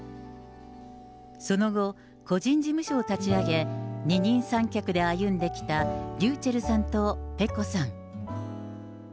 その後、個人事務所を立ち上げ、二人三脚で歩んできたｒｙｕｃｈｅｌｌさんとペコさん。